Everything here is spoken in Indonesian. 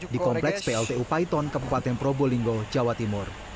di kompleks pltu paiton kabupaten probolinggo jawa timur